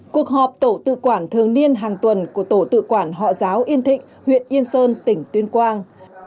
cuộc họp tổ tự quản thường niên hàng tuần của tổ tự quản họ giáo yên thịnh huyện yên sơn tỉnh tuyên quang